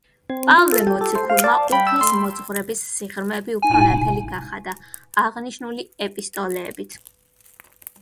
პავლე მოციქულმა უფლის მოძღვრების სიღრმეები უფრო ნათელი გახადა, აღნიშნული ეპისტოლეებით.